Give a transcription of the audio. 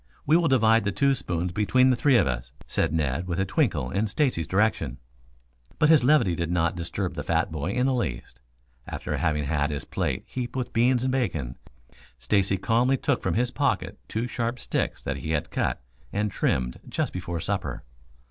We will divide the two spoons between the three of us," said Ned, with a twinkle in Stacy's direction. But his levity did not disturb the fat boy in the least. After having had his plate heaped with beans and bacon, Stacy calmly took from his pocket two sharp sticks that he had cut and trimmed just before supper.